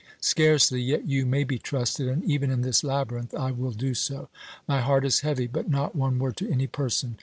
Scarcely. Yet you may be trusted, and, even in this labyrinth, I will do so. My heart is heavy. But not one word to any person.